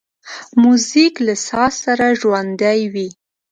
موزیک له ساز سره ژوندی وي.